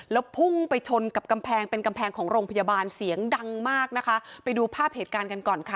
แล้วพุ่งไปชนกับกำแพงเป็นกำแพงของโรงพยาบาลเสียงดังมากนะคะไปดูภาพเหตุการณ์กันก่อนค่ะ